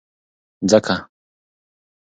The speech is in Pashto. ځکه